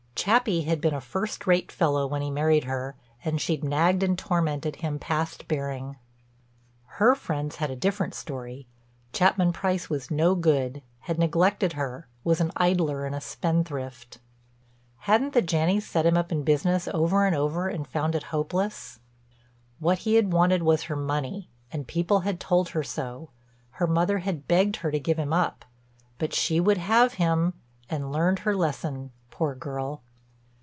Chappie had been a first rate fellow when he married her and she'd nagged and tormented him past bearing. Her friends had a different story; Chapman Price was no good, had neglected her, was an idler and a spendthrift. Hadn't the Janneys set him up in business over and over and found it hopeless? What he had wanted was her money, and people had told her so; her mother had begged her to give him up, but she would have him and learned her lesson, poor girl!